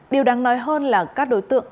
điều đáng nói hơn là các đối tượng